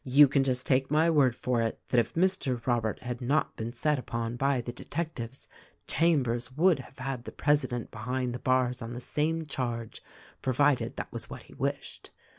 You can just take my word for it that if Mr. Robert had not been set upon by the detectives, Chambers would have had the president behind the bars on the same charge, — provided that was what he wished.